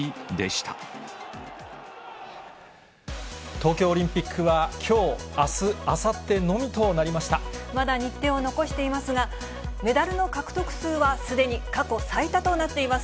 東京オリンピックはきょう、あす、まだ日程を残していますが、メダルの獲得数はすでに過去最多となっています。